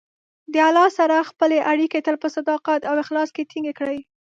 د الله سره خپلې اړیکې تل په صداقت او اخلاص کې ټینګې کړئ.